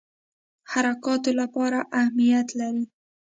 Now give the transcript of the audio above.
حرکاتو لپاره اهمیت لري.